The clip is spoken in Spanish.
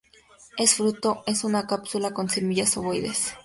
Es fruto es una cápsula con semillas ovoides.